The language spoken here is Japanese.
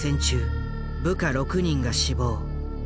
中部下６人が死亡。